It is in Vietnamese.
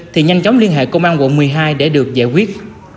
thì nhanh chóng liên hệ công an quận một mươi hai để được giải quyết